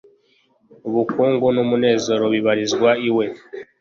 ubukungu n'umunezero bibarizwa iwe